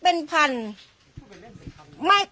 เป็นพันธุ์